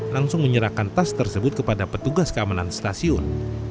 langsung menyerahkan tas tersebut kepada petugas keamanan stasiun